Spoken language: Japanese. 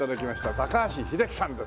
高橋英樹さんです。